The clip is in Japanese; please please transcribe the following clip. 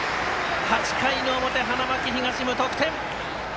８回の表、花巻東、無得点。